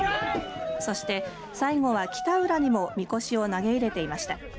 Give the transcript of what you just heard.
そして最後は北浦にもみこしを投げ入れていました。